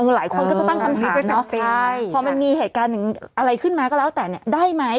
หลายคนก็จะตั้งคำถามพอมันมีเหตุการณ์อะไรขึ้นมาก็แล้วแต่เนี่ยได้ไหม